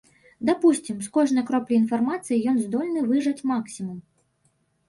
Дапусцім, з кожнай кроплі інфармацыі ён здольны выжаць максімум.